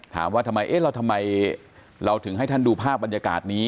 ถามว่าทำไมเอ๊ะเราทำไมเราถึงให้ท่านดูภาพบรรยากาศนี้